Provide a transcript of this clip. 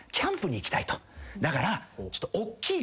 だから。